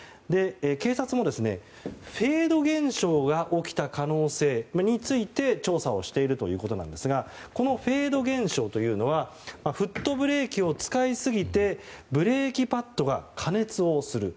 警察もフェード現象が起きた可能性について調査をしているということなんですがこのフェード現象というのはフットブレーキを使いすぎてブレーキパッドが過熱をする。